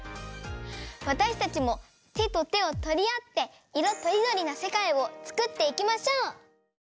わたしたちもてとてをとりあっていろとりどりな世界をつくっていきましょう！